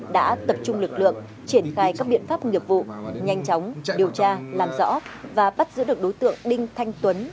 đã tập trung lực lượng triển khai các biện pháp nghiệp vụ nhanh chóng điều tra làm rõ và bắt giữ được đối tượng đinh thanh tuấn